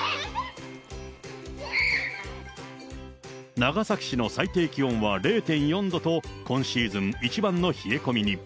長崎市の最低気温は０．４度と、今シーズン一番の冷え込みに。